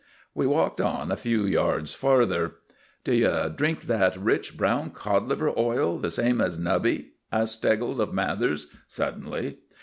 We walked on a few yards farther. "D' you drink that rich, brown cod liver oil, the same as Nubby?" asked Steggles of Mathers, suddenly.